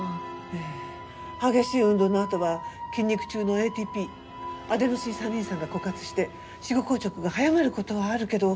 ええ激しい運動のあとは筋肉中のＡＴＰアデノシン三リン酸が枯渇して死後硬直が早まる事はあるけど。